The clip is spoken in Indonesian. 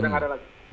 sudah nggak ada lagi